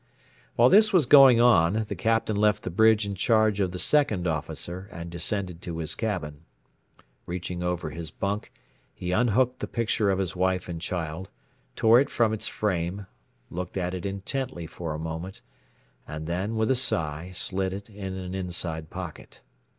While this was going on the Captain left the bridge in charge of the Second Officer and descended to his cabin. Reaching over his bunk, he unhooked the picture of his wife and child, tore it from its frame, looked at it intently for a moment, and then, with a sigh, slid it into an inside pocket.